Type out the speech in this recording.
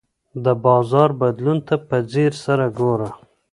د بازار بدلون ته په ځیر سره ګوره.